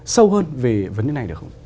sâu hơn về vấn đề này được không